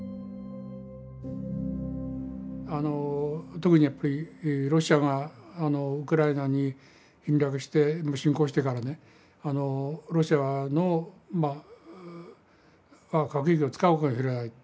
特にやっぱりロシアがウクライナに侵略して侵攻してからねロシアが核兵器を使うかもしれない。